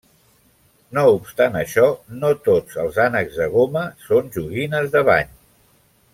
No obstant això, no tots els ànecs de goma són joguines de bany.